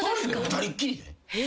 二人っきりで？